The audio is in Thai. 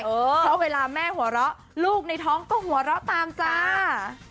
เพราะเวลาแม่หัวเราะลูกในท้องก็หัวเราะตามจ้า